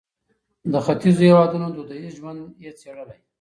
د ختیځو هېوادونو دودیز ژوند یې څېړلی.